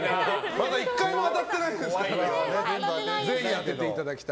まだ１回も当たってないですからぜひ当てていただきたい。